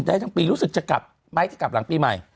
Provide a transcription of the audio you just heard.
แต่ถึงปีนี้รู้สึกจะกลับไหม